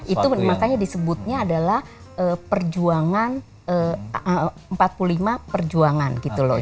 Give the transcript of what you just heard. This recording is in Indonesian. itu makanya disebutnya adalah perjuangan empat puluh lima perjuangan gitu loh